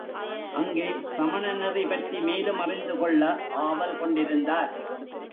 அங்கே சமணநெறி பற்றி மேலும் அறிந்து கொள்ள ஆவல் கொண்டிருந்தார்.